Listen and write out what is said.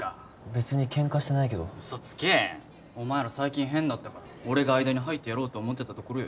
別にケンカしてないけどウソつけお前ら最近変だったから俺が間に入ってやろうと思ってたところよ